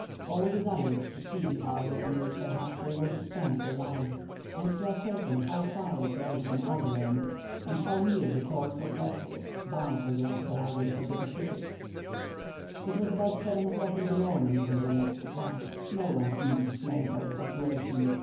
All desired to see the isle on which perhaps they were to spend their lives, and to ascertain how far it lay from other land, and how near the course of vessels bound for the archipelagoes of the Pacific. It was about 7 o'clock in the morning when they left the camp. No one seemed dismayed by the situation.